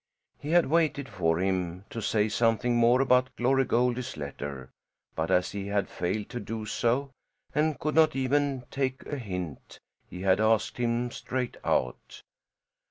He had waited for him to say something more about Glory Goldie's letter, but as he had failed to do so, and could not even take a hint, he had asked him straight out.